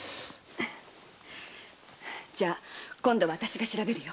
じゃ今度は私が調べるよ。